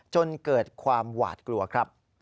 จนเกิดความหวาดกลัวครับ